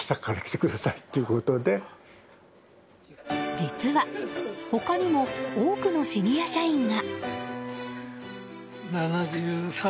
実は他にも多くのシニア社員が。